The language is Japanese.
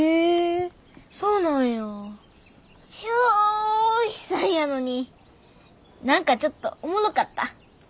チョー悲惨やのに何かちょっとおもろかった。